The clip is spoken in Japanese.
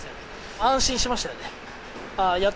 安心しましたよね。